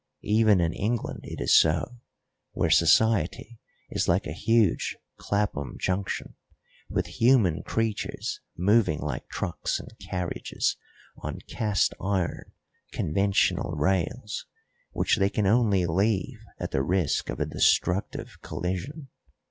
Even in England it is so, where society is like a huge Clapham Junction, with human creatures moving like trucks and carriages on cast iron, conventional rails, which they can only leave at the risk of a destructive collision.